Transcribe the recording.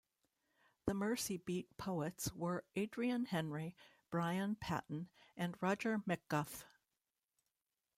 The Mersey Beat poets were Adrian Henri, Brian Patten and Roger McGough.